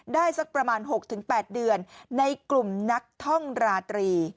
สักประมาณ๖๘เดือนในกลุ่มนักท่องราตรี